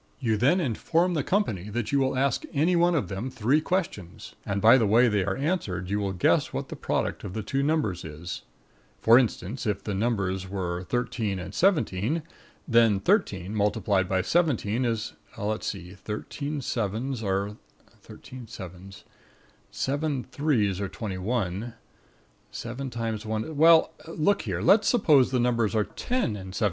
You then inform the company that you will ask any one of them three questions, and by the way they are answered you will guess what the product of the two numbers is. (For instance, if the numbers were 13 and 17, then 13 multiplied by 17 is let's see, thirteen sevens are thirteen sevens seven threes are twenty one, seven times one is well, look here, let's suppose the numbers are 10 and 17.